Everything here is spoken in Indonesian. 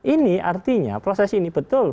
ini artinya proses ini betul